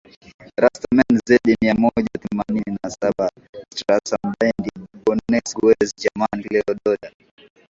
Rammstein Zedd mia moja themanini na saba Strassenbande Bonez Gzuz Germany Cleo Doda